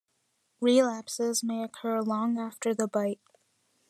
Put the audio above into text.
Relapses may occur long after the bite.